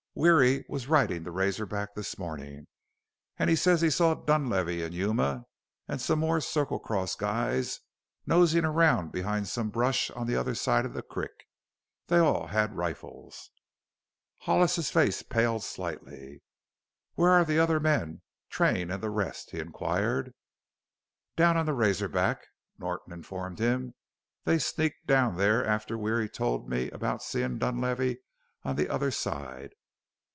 Weary was ridin' the Razor Back this mornin' and he says he saw Dunlavey an' Yuma and some more Circle Cross guys nosin' around behind some brush on the other side of the creek. They all had rifles." Hollis's face paled slightly. "Where are the other men Train and the rest?" he inquired. "Down on Razor Back," Norton informed him; "they sneaked down there after Weary told me about seein' Dunlavey on the other side.